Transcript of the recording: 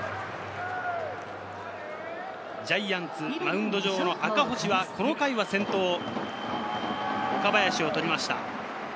ジャイアンツ、マウンド上の赤星はこの回、先頭・岡林を取りました。